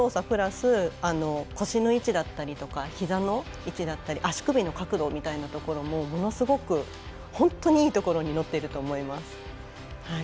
プラス腰の位置だったりとかひざの位置だったり足首の角度みたいなところもものすごく本当にいいところに乗っていると思います。